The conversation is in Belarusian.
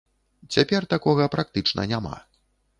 Цяпер такога практычна няма.